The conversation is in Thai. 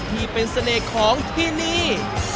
ที่เป็นเสน่ห์ของที่นี่